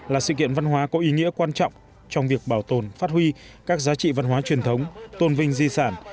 là sự kiện văn hóa có ý nghĩa quan trọng trong việc bảo tồn phát huy các giá trị văn hóa truyền thống tôn vinh di sản